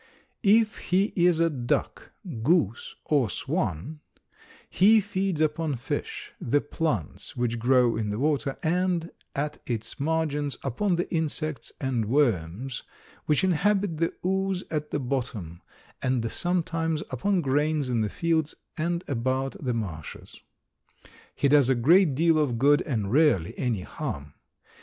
If he is a duck, goose or swan, he feeds upon fish, the plants which grow in the water and at its margins, upon the insects and worms which inhabit the ooze at the bottom, and sometimes upon grains in the fields and about the marshes. He does a great deal of good and rarely any harm.